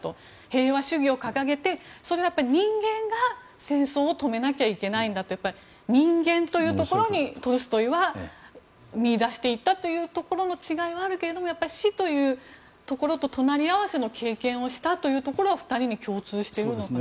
平和主義を掲げて、人間が戦争を止めなきゃいけないんだと人間というところをトルストイは見いだしていったというところに違いはあるけれども死というところと隣り合わせの経験が２人に共通していると。